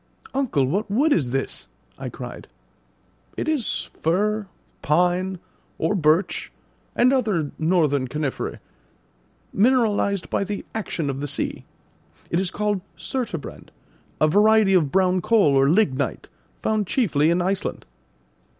"Uncle, what wood is this?" I cried. "It is fir, pine, or birch, and other northern coniferae, mineralised by the action of the sea. It is called surturbrand, a variety of brown coal or lignite, found chiefly in Iceland."